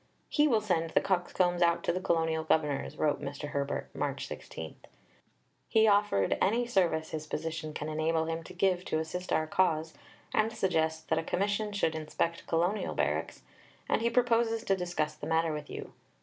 "He will send the Coxcombs out to the Colonial Governors," wrote Mr. Herbert (March 16); "he offered any service his position can enable him to give to assist our cause, and suggests that a Commission should inspect Colonial barracks, and he proposes to discuss the matter with you."